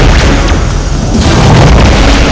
ufruh kami mengganggu